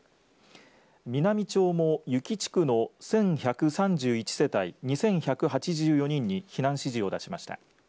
美波町も由岐地区の１１３１世帯２１８４人に避難指示を出しました。